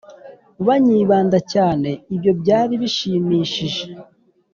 banyibanda cyane, ibyo byari bishimishije